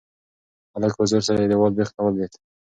هلک په زور سره د دېوال بېخ ته ولوېد.